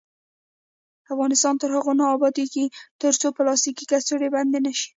افغانستان تر هغو نه ابادیږي، ترڅو پلاستیکي کڅوړې بندې نشي.